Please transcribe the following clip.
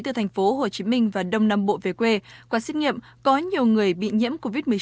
từ thành phố hồ chí minh và đông nam bộ về quê qua xét nghiệm có nhiều người bị nhiễm covid một mươi chín